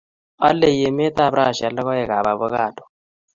Lolei emetab Russia logoekab avocado